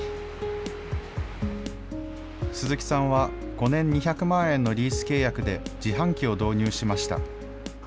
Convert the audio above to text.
鈴木さんは５年２００万円のリース契約で自販機を導入しました。